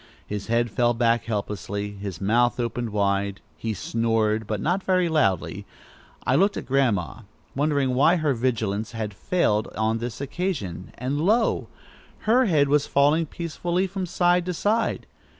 His head fell back helplessly, his mouth opened wide. He snored, but not very loudly. I looked at Grandma, wondering why her vigilance had failed on this occasion, and lo! her head was falling peacefully from side to side.